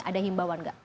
ada himbauan gak